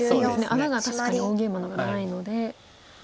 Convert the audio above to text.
穴が確かに大ゲイマの方がないので。